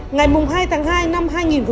ngày hai tháng hai năm hai nghìn một mươi chín